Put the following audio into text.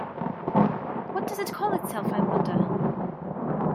What does it call itself, I wonder?